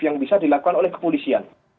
yang bisa dilakukan oleh kepolisian